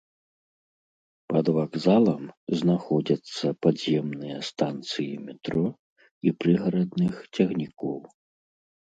Пад вакзалам знаходзяцца падземныя станцыі метро і прыгарадных цягнікоў.